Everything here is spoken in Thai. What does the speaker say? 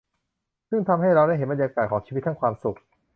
ซึ่งทำให้เราได้เห็นบรรยากาศของชีวิตทั้งความสุข